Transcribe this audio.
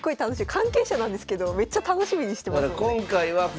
関係者なんですけどめっちゃ楽しみにしてますもんね。